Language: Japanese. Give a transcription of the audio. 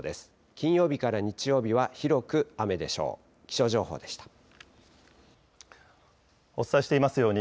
金曜日から日曜日は、広く雨でしょう。